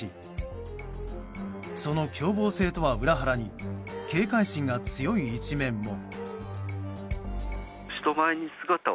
その凶暴性とは裏腹に警戒心が強い一面も。